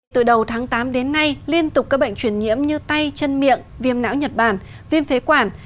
từ đầu tháng tám đến nay liên tục các bệnh chuyển nhiễm như tay chân miệng viêm não nhật bản viêm phế quản